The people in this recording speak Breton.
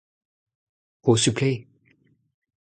Posupl eo ?